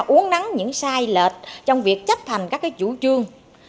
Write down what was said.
uống nắng những sai lệch trong việc chấp hành các chủ trương